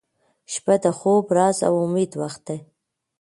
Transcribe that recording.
• شپه د خوب، راز، او امید وخت دی